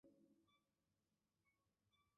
山椤为楝科米仔兰属下的一个种。